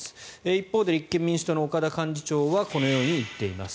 一方で立憲民主党の岡田幹事長はこのように言っています。